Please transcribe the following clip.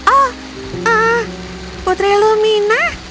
oh putri lumina